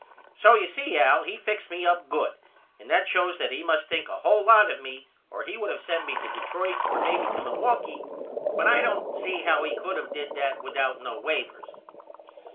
So you see Al he fixed me up good and that shows that he must think a hole lot of me or he would of sent me to Detroit or maybe to Milwaukee but I don't see how he could of did that without no wavers.